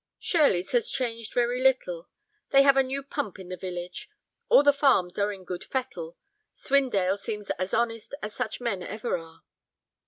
"Shirleys has changed very little. They have a new pump in the village. All the farms are in good fettle. Swindale seems as honest as such men ever are."